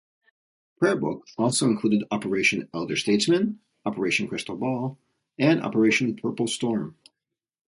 "Prayer Book" also included Operation Elder Statesman, Operation Krystal Ball, and Operation Purple Storm.